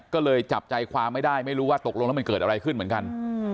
ก็เลยจับใจความไม่ได้ไม่รู้ว่าตกลงแล้วมันเกิดอะไรขึ้นเหมือนกัน